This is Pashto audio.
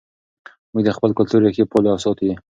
موږ د خپل کلتور ریښې پالو او ساتو یې.